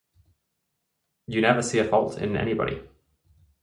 You never see a fault in anybody.